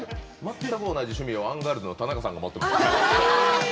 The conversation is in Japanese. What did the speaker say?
同じ趣味をアンガールズの田中さんが持っています。